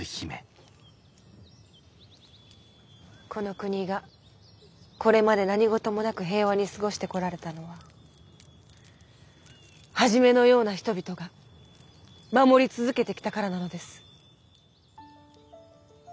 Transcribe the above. この国がこれまで何事もなく平和に過ごしてこられたのはハジメのような人々が守り続けてきたからなのです。